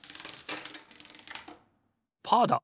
パーだ！